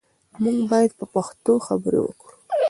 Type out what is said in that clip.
موږ باید په پښتو خبرې وکړو.